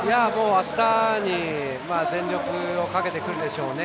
あしたに全力をかけてくるでしょうね。